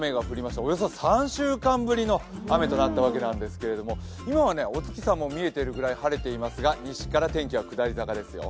およそ３週間ぶりの雨となったわけなんですけれども、今はお月さんも見えているぐらい晴れているんですが西から天気は下り坂ですよ。